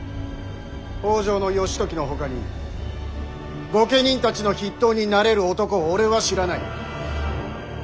北条義時のほかに御家人たちの筆頭になれる男を俺は知らない。